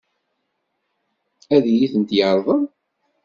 Ad iyi-ten-yeṛḍel?